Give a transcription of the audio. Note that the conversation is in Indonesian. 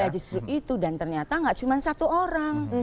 ya justru itu dan ternyata gak cuma satu orang